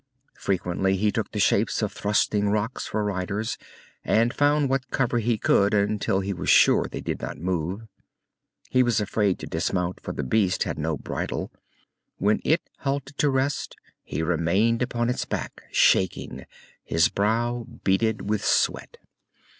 Frequently he took the shapes of thrusting rocks for riders, and found what cover he could until he was sure they did not move. He was afraid to dismount, for the beast had no bridle. When it halted to rest he remained upon its back, shaking, his brow beaded with sweat.